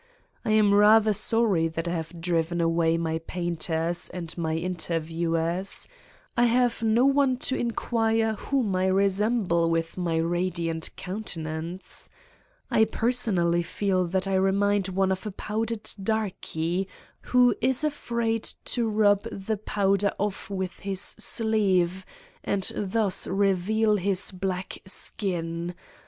I am rather sorry that I have driven away my painters and my interviewers: I have no one to inquire whom I resemble with my radi ant countenance? I personally feel that I re mind one of a powdered darkey, who is afraid to rub the powder off with his sleeve and thus reveal his black skin ..